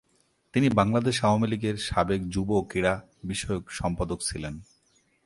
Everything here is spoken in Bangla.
তিনি বাংলাদেশ আওয়ামী লীগের সাবেক যুব ও ক্রীড়া বিষয়ক সম্পাদক ছিলেন।